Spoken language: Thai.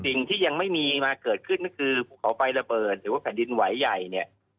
สิ่งที่ยังไม่มีมาเกิดขึ้นก็คือภูเขาไฟระเบิดหรือว่าแผ่นดินไหวใหญ่เนี่ย